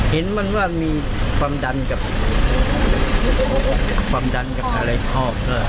เห็นว่ามีความดันกับอะไรหอบ